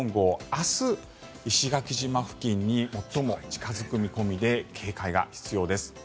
明日、石垣島付近に最も近付く見込みで警戒が必要です。